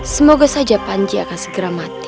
semoga saja panji akan segera mati